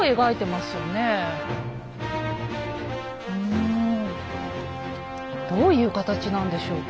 うんどういう形なんでしょうか？